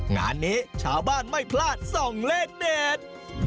งานนี้ชาวบ้านไม่พลาดส่องเลขเด็ด